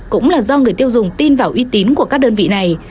cũng là do người tiêu dùng tin vào uy tín của các đơn vị này